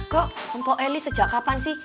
kok mpok eli sejak kapan sih